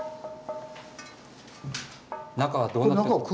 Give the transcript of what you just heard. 中はどうなって。